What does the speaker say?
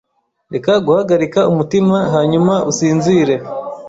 Reka guhagarika umutima hanyuma usinzire.